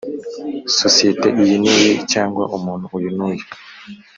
sosiyete iyi n iyi cyangwa umuntu uyu n uyu